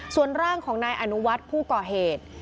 ส่วนร่างของนายอนุวัฒน์ผู้ก่อเหตุ